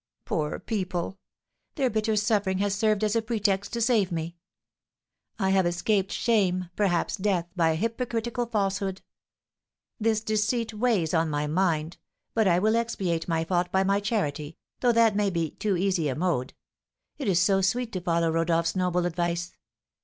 Poor people! their bitter suffering has served as a pretext to save me. I have escaped shame, perhaps death, by a hypocritical falsehood. This deceit weighs on my mind, but I will expiate my fault by my charity, though that may be too easy a mode. It is so sweet to follow Rodolph's noble advice!